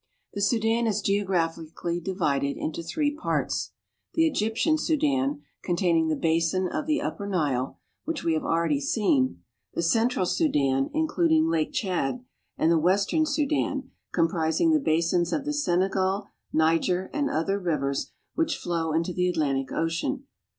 The Sudan is geographically divided into three parts: the Egyptian Sudan, containing the basin of the upper Nile, IN THE SUDAN r63 4 _™ ^■ER GUI M '*' "'''^^M 1 4 which we have already seen ; the central Sudan, including Lake Tchad; and the western Sudan, comprising the basins of the Senegal (sgn e gal'), Niger (ni'jer), and other rivers which flow into the Atlantic Ocean.